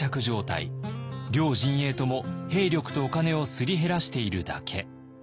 両陣営とも兵力とお金をすり減らしているだけ。